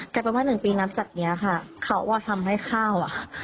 แต่ว่า๑ปีหลังจากนี้ค่ะเขาว่าทำให้ข้าว